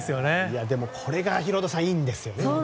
これがヒロドさんいいんですよね。